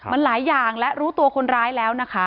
มันหลายอย่างและรู้ตัวคนร้ายแล้วนะคะ